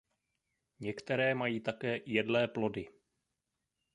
Některé mají také jedlé plody.